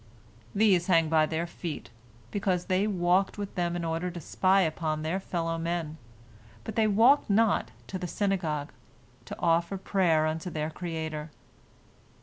These hang by their feet, because they walked with them in order to spy upon their fellow men, but they walked not to the synagogue, to offer prayer unto their Creator.